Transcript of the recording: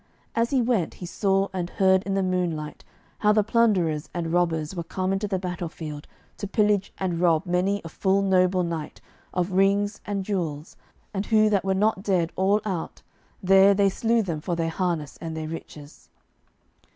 As he went he saw and heard in the moonlight how the plunderers and robbers were come into the battlefield to pillage and rob many a full noble knight of rings and jewels; and who that were not dead all out, there they slew them for their harness and their riches.